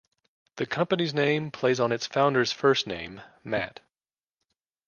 The company's name plays on its founder's first name, Matt.